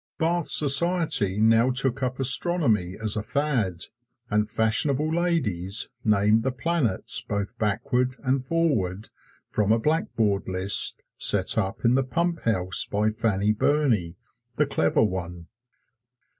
Bath society now took up astronomy as a fad, and fashionable ladies named the planets both backward and forward from a blackboard list set up in the Pump House by Fanny Burney, the clever one.